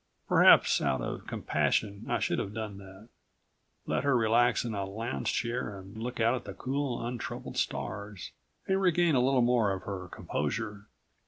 Perhaps, out of compassion, I should have done that ... let her relax in a lounge chair and look out at the cool, untroubled stars, and regain a little more of her composure.